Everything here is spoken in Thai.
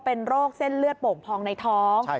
เป็นโรคเส้นเลือดโป่งพองในท้อง